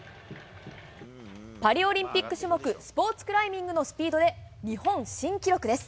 パリオリンピック種目、スポーツクライミングのスピードで、日本新記録です。